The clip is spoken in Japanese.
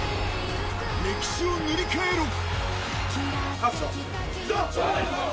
［歴史を塗り替えろ］